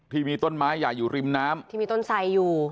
ที่มีต้นไม้ใหญ่อยู่ริมน้ำที่มีต้นไสอยู่